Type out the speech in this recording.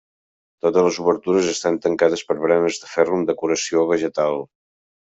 Totes les obertures estan tancades per baranes de ferro amb decoració vegetal.